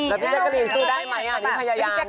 แล้วพี่แจ๊กกะลินสู้ได้ไหมอ่ะนี่พยายามอยู่